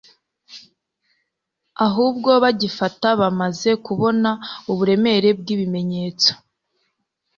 ahubwo bagifata bamaze kubona uburemere bw'ibimenyetso